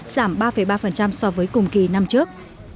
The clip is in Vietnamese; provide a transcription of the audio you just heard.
giảm ba ba so với cùng kỳ năm trước